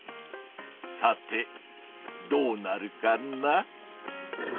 さてどうなるかな？